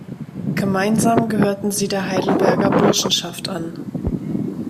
Gemeinsam gehörten sie der Heidelberger Burschenschaft an.